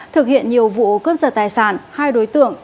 thực hiện nhiều vụ cướp giật tài sản hai đối tượng